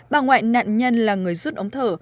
bà ngoại nạn nhân là người rút ống thở